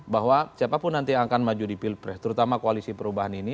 bahwa siapapun nanti yang akan maju di pilpres terutama koalisi perubahan ini